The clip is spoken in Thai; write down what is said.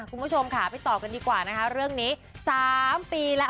คุณผู้ชมค่ะไปต่อกันดีกว่านะคะเรื่องนี้๓ปีแล้ว